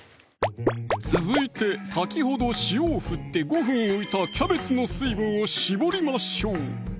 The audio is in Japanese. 続いて先ほど塩を振って５分置いたキャベツの水分をしぼりましょう